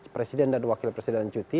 presiden dan wakil presiden cuti